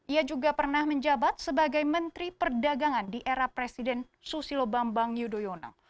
ia juga pernah menjabat sebagai menteri perdagangan di era presiden susilo bambang yudhoyono